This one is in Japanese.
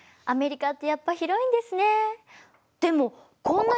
アメリカってやっぱ広いんですね。